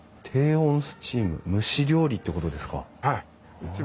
低温スチーム蒸し料理ってことですか？